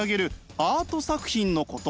アート作品のこと。